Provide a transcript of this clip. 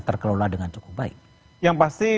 terkelola dengan cukup baik yang pasti